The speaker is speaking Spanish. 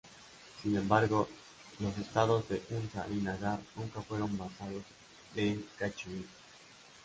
Sin embargo los estados de Hunza y Nagar nunca fueron vasallos de Cachemira.